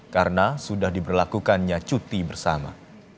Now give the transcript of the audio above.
karena sudah diberlakukannya cuti bersama